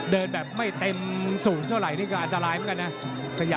เดินแบบไม่เต็มสูงเท่าไหร่นี่ก็อันตรายเหมือนกันนะ